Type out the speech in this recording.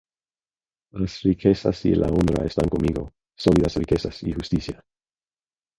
Las riquezas y la honra están conmigo; Sólidas riquezas, y justicia.